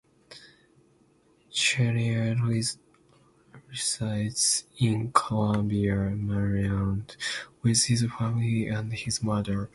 Chenier resides in Columbia, Maryland, with his family and his mother.